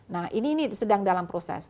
nah ini sedang dalam proses